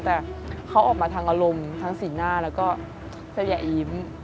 แต่เขาออกมาทางอารมณ์ทั้งสีหน้าแล้วก็เสื้ออย่ายิ้ม